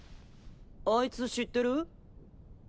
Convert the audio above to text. あいつ知ってる？